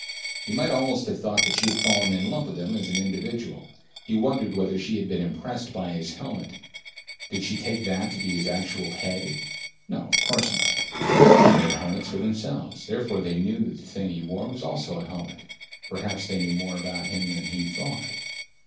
You might almost have thought that she had fallen in love with him as an individual. He wondered whether she had been impressed by his helmet. Did she take that to be his actual head? No, of course not. They had made helmets for themselves, therefore they knew that the thing he wore was also a helmet. Perhaps they knew more about him than he thought.